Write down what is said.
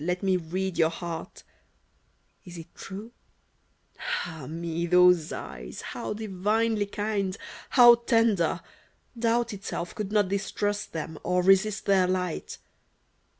Let me read your heart ! Is it true ?... Ah, me ! those eyes ! How divinely kind !— how tender ! 13 BETROTHAL Doubt itself could not distrust them, Or resist their light